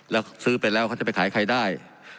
แล้วซื้อไปแล้วเขาจะไปขายใครได้